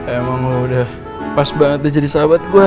emang lo udah pas banget jadi sahabat gue